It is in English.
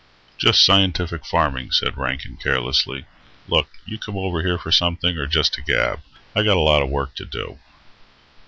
"Just scientific farming," said Rankin carelessly. "Look, you come over here for something, or just to gab? I got a lot of work to do."